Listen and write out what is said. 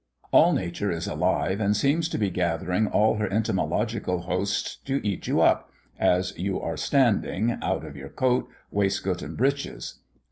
All nature is alive, and seems to be gathering all her entomological hosts to eat you up, as you are standing, out of your coat, waistcoat, and breeches.